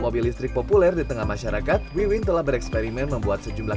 mobil listrik populer di tengah masyarakat wiwin telah bereksperimen membuat sejumlah